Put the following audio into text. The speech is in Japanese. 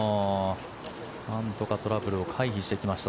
なんとかトラブルを回避していきました。